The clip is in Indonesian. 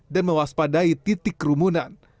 dan mewaspadai titik kerumunan